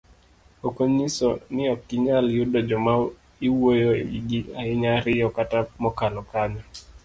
Okonyiso ni okinyal yudo joma iwuoyo ewigi ahinya ariyo kata mokalo kanyo.